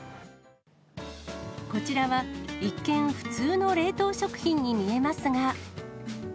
こちらは、一見、普通の冷凍食品に見えますが。